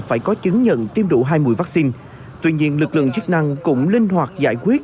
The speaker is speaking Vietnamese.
phải có chứng nhận tiêm đủ hai mũi vắc xin tuy nhiên lực lượng chức năng cũng linh hoạt giải quyết